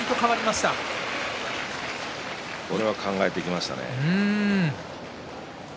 これは考えてきましたね。